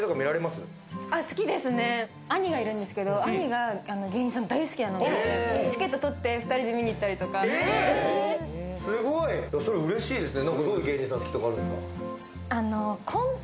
兄がいるんですけど、兄が芸人さん大好きなので、チケットとって２人で見に行ったそれ、うれしいですね。